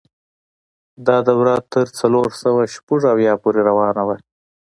دا دوره تر څلور سوه شپږ اویا پورې روانه وه.